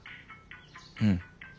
うん。